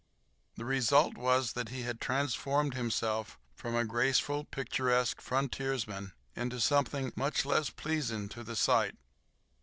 The result was that he had transformed himself from a graceful, picturesque frontiersman into something much less pleasing to the sight.